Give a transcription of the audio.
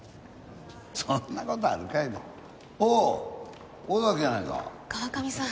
そんなことあるかいなおお尾崎やないか川上さん